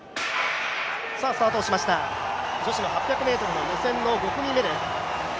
女子の８００ｍの予選の５組目です。